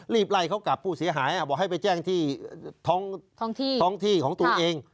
รีบไล่เขากับผู้เสียหายบอกให้ไปแจ้งที่ท้องที่ของตัวเอง